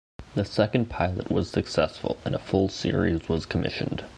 The second pilot was successful and a full series was commissioned.